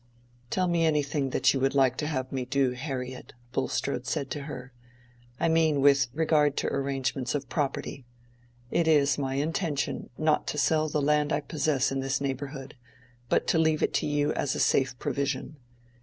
"Tell me anything that you would like to have me do, Harriet," Bulstrode had said to her; "I mean with regard to arrangements of property. It is my intention not to sell the land I possess in this neighborhood, but to leave it to you as a safe provision.